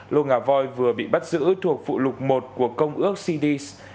lô ngà voi vừa bị bắt giữ thuộc vụ lục một của công ước cidis